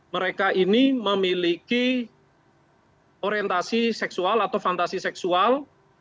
mereka ini memiliki orientasi seksual atau fantasi seksual